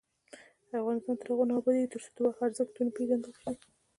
افغانستان تر هغو نه ابادیږي، ترڅو د وخت ارزښت ونه پیژندل شي.